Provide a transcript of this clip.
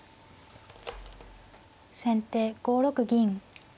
先手５六銀。